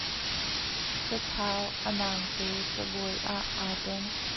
Sathau a naangte cabuai ah aa tenh.